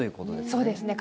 そうですね。